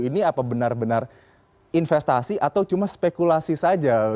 ini apa benar benar investasi atau cuma spekulasi saja